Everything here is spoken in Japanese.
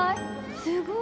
すごーい